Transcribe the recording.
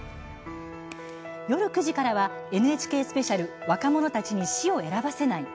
夜９時からは「ＮＨＫスペシャル若者たちに死を選ばせない」。